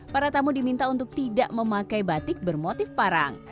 para tamu diminta untuk tidak memakai batik bermotif parang